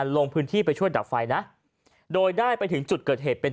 ลงพื้นที่ไปช่วยดับไฟนะโดยได้ไปถึงจุดเกิดเหตุเป็น